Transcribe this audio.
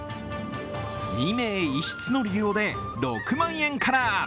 ２名１室の利用で６万円から。